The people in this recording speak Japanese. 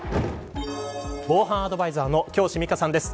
防犯アドバイザーの京師美佳さんです。